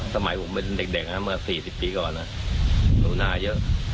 สมัยผมเป็นเด็ก๔๐ปีก่อนน่ะนูนาเยอะ